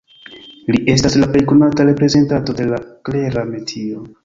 Li estas la plej konata reprezentanto de la Klera metio.